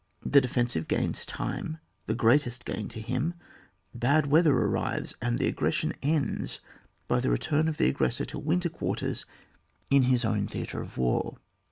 The defensive gains time, the greatest gain to him ; bad weather arrives, and the aggression ends by the return of the aggressor to winter quarters in his own theatre of war.